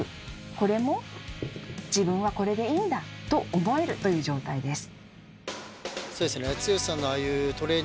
これも「自分はこれでいいんだ！」と思えるという状態です。